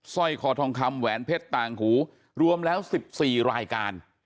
ร้อยคอทองคำแหวนเพชรต่างหูรวมแล้ว๑๔รายการ